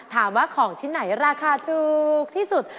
ถามว่าของชิ้นไหนราคาถูกที่สุด